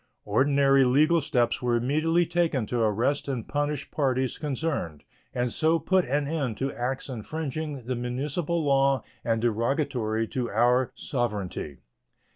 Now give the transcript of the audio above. Ordinary legal steps were immediately taken to arrest and punish parties concerned, and so put an end to acts infringing the municipal law and derogatory to our sovereignty.